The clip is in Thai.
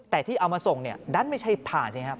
แต่ที่เอามาส่งด้านไม่ใช่ฐานใช่ไหมครับ